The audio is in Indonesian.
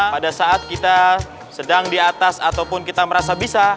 pada saat kita sedang di atas ataupun kita merasa bisa